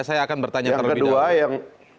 saya akan bertanya terlebih dahulu yang kedua yang